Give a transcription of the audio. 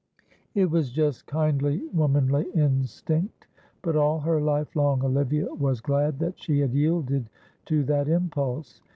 It was just kindly womanly instinct, but all her life long Olivia was glad that she had yielded to that impulse.